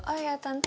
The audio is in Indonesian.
oh ya tante